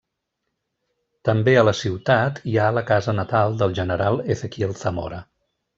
També a la Ciutat hi ha la Casa Natal del General Ezequiel Zamora.